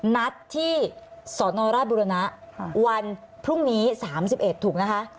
นัดที่สนราชบุรณะวันพรุ่งนี้๓๑ถูกนะคะ